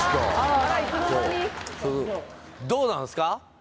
どうなんですか？